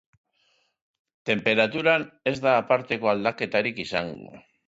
Tenperaturan ez da aparteko aldaketarik izango.